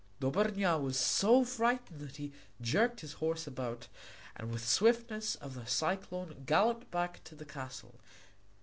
Dobrnja was so frightened that he jerked his horse about and with the swiftness of a cyclone galloped back to the castle.